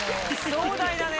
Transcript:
壮大だね。